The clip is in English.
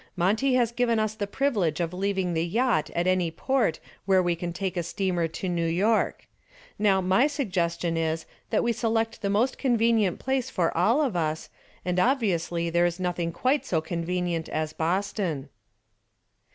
Monty has given us the privilege of leaving the yacht at any port where we can take a steamer to New York. Now, my suggestion is that we select the most convenient place for all of us, and obviously there is nothing quite so convenient as Boston."